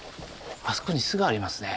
あそこに巣がありますね。